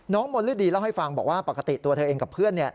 มนฤดีเล่าให้ฟังบอกว่าปกติตัวเธอเองกับเพื่อน